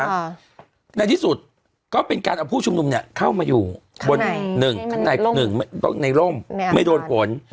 ในทางที่สุดก็ผู้ชมนุมเนี่ยเข้ามาอยู่บนหนึ่งไรในร่มไม่โดนโหล